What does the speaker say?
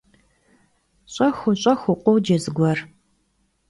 Ş'exıu, ş'exıu! - khoce zıguer.